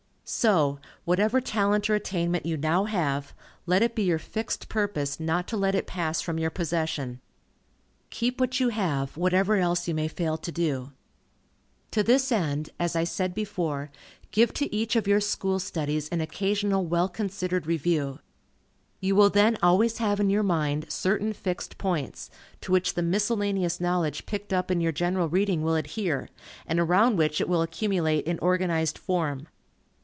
So, whatever talent or attainment you now have, let it be your fixed purpose not to let it pass from your possession. Keep what you have, whatever else you may fail to do. To this end, as I said before, give to each of your school studies an occasional well considered review. You will then always have in your mind certain fixed points, to which the miscellaneous knowledge picked up in your general reading will adhere, and around which it will accumulate in organized form.